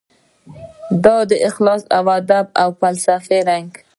د اخلاص ادبي او فلسفي رنګ